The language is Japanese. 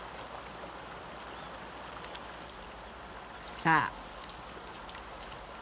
さあ。